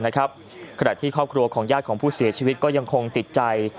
ขณะที่ครอบครัวของญาติของผู้เสียชีวิตก็ยังคงติดใจ